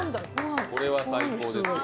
これは最高ですよ